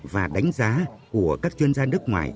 và đánh giá của các chuyên gia nước ngoài